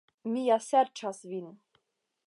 Mi ja serĉas vin.